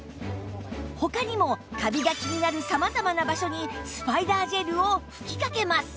他にもカビが気になる様々な場所にスパイダージェルを吹きかけます